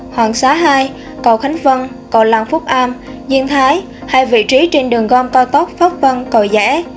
hoàng xá hai cầu khánh vân cầu làng phúc am duyên thái hai vị trí trên đường gom cao tốc pháp vân cầu rẽ